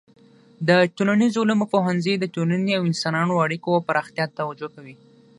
د ټولنیزو علومو پوهنځی د ټولنې او انسانانو اړیکو او پراختیا ته توجه کوي.